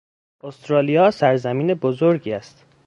استرالیا سرزمین بزرگی است.